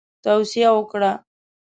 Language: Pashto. توصیه وکړه.